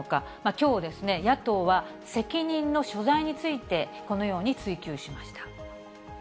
きょう、野党は責任の所在について、このように追及しました。